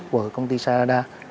của công ty sarada